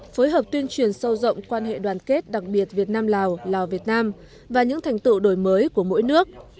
phối hợp tuyên truyền sâu rộng quan hệ đoàn kết đặc biệt việt nam lào lào việt nam và những thành tựu đổi mới của mỗi nước